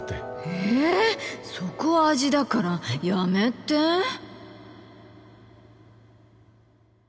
えっそこは味だからやめてっ！